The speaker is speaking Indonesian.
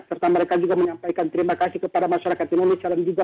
serta mereka juga menyampaikan terima kasih kepada masyarakat indonesia